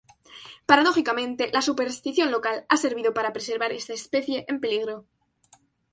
Paradójicamente, la superstición local ha servido para preservar esta especie en peligro.